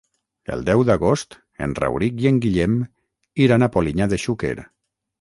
El deu d'agost en Rauric i en Guillem iran a Polinyà de Xúquer.